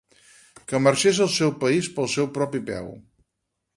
Que marxés al seu país pel seu propi peu